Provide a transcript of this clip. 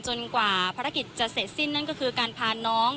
กว่าภารกิจจะเสร็จสิ้นนั่นก็คือการพาน้อง